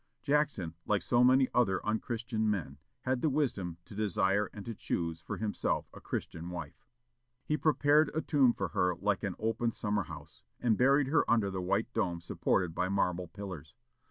Jackson, like so many other unchristian men, had the wisdom to desire and to choose for himself a Christian wife. He prepared a tomb for her like an open summer house, and buried her under the white dome supported by marble pillars.